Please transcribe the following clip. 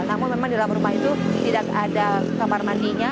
namun memang di dalam rumah itu tidak ada kamar mandinya